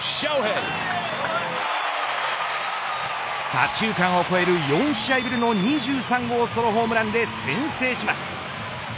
左中間を越える４試合ぶりの２３号ソロホームランで先制します。